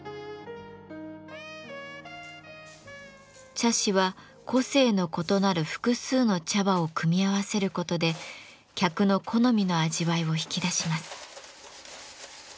茶師は個性の異なる複数の茶葉を組み合わせることで客の好みの味わいを引き出します。